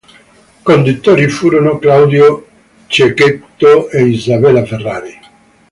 Conduttori furono Claudio Cecchetto e Isabella Ferrari.